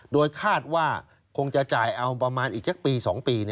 โดยคาดว่าคงจะจ่ายเอาประมาณอีกสักปี๒ปี